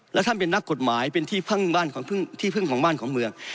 และท่านเป็นนักกฎหมายเป็นที่เพิ่งบ้านของเมือง